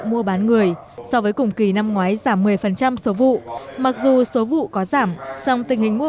mua bán người so với cùng kỳ năm ngoái giảm một mươi số vụ mặc dù số vụ có giảm song tình hình mua